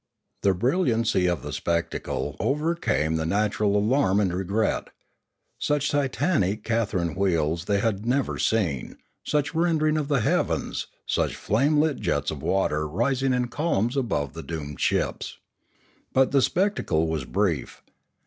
The brilliaucy of the spectacle overcame the natural alarm and regret Such titanic Catherine wheels they had never seen, such rending of the heavens, such flame lit jets of water rising in columns above the doomed ships. But the spectacle was brief.